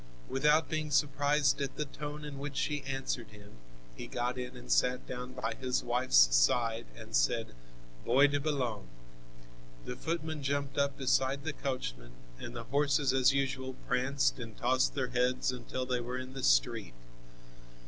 Without being surprised at the tone in which she answered him, he got in and sat down by his wife's side and said: "Bois de Boulogne." The footman jumped up beside the coachman, and the horses as usual pranced and tossed their heads until they were in the street.